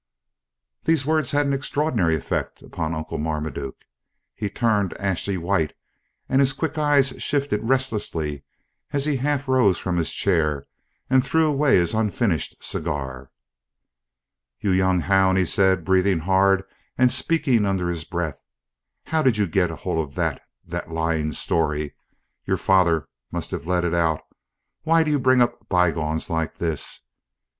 These words had an extraordinary effect upon Uncle Marmaduke; he turned ashy white, and his quick eyes shifted restlessly as he half rose from his chair and threw away his unfinished cigar. "You young hound!" he said, breathing hard and speaking under his breath. "How did you get hold of that that lying story? Your father must have let it out! Why do you bring up bygones like this?